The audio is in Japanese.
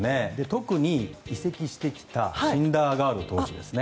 特に、移籍してきたシンダーガード投手。